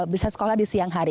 bisa sekolah di siang hari